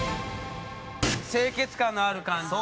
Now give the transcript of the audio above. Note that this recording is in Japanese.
清潔感のある感じで。